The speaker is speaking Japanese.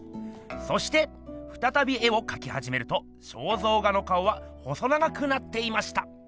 そしてふたたび絵をかきはじめると肖像画の顔は細長くなっていました。